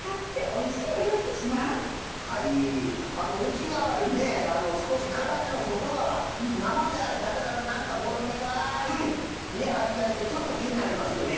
内側にね少しかための外側生であれ食べたらほろ苦い味がしてちょっと気になりますよね。